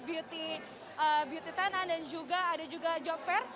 beauty tenan dan juga ada juga job fair